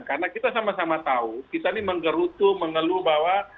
karena kita sama sama tahu kita ini mengerutu mengeluh bahwa